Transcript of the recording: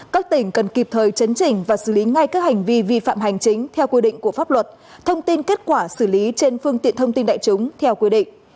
các tỉnh cần kịp thời chấn trình và xử lý ngay các hành vi vi phạm hành chính theo quy định của pháp luật thông tin kết quả xử lý trên phương tiện thông tin đại chúng theo quy định